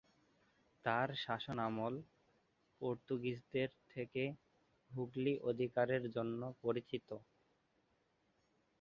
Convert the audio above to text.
তার শাসনামল পর্তুগিজদের থেকে হুগলি অধিকারের জন্য পরিচিত।